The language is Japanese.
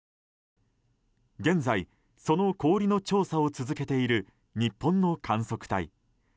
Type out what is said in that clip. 現在、その氷の調査を続けている日本の観測隊。